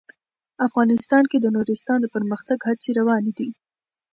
افغانستان کې د نورستان د پرمختګ هڅې روانې دي.